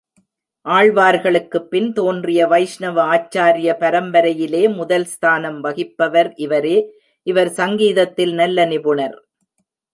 ஆழ்வார்களுக்குப் பின் தோன்றிய வைஷ்ணவ ஆச்சார்ய பரம்பரையிலே முதல் ஸ்தானம் வகிப்பவர் இவரே, இவர் சங்கீதத்தில் நல்ல நிபுணர்.